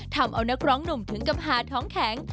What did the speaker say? ทำเอานักร้องหนุ่มถึงกับหาท้องแข็ง